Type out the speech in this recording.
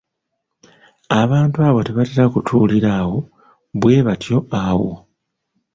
Abantu abo tebatera kutuulira awo. bwe batyo awo.